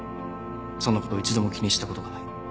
そんなこと一度も気にしたことがない。